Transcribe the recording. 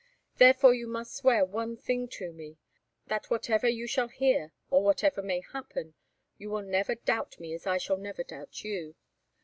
Therefore you must swear one thing to me: That whatever you shall hear or whatever may happen, you will never doubt me as I shall never doubt you.